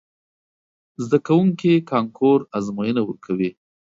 زده کوونکي کانکور ازموینه ورکوي.